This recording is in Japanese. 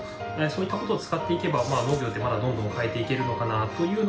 そういったことを使っていけば農業ってまだどんどん変えていけるのかなというのをですね